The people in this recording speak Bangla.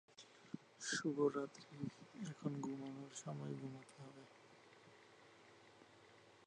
এই সমস্যাগুলি নিয়ন্ত্রণে রাখার জন্য নিয়মিত চিকিৎসা না করালে অনেক ক্ষেত্রে এগুলি সঠিকভাবে জন্মাতে পারে না।